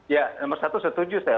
ya nomor satu setuju saya